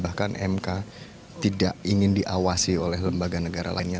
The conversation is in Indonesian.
bahkan mk tidak ingin diawasi oleh lembaga negara lainnya